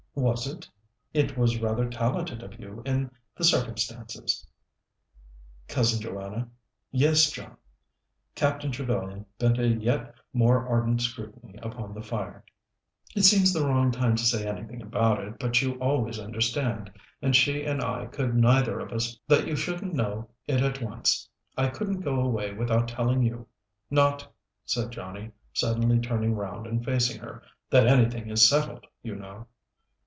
"Was it? It was rather talented of you, in the circumstances." "Cousin Joanna." "Yes, John." Captain Trevellyan bent a yet more ardent scrutiny upon the fire. "It seems the wrong time to say anything about it, but you always understand, and she and I could neither of us bear that you shouldn't know it at once. I couldn't go away without telling you. Not," said Johnnie, suddenly turning round and facing her, "that anything is settled, you know."